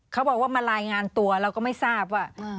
เขาบอกว่ามารายงานตัวเราก็ไม่ทราบว่า